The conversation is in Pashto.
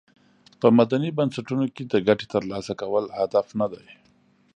په مدني بنسټونو کې د ګټې تر لاسه کول هدف ندی.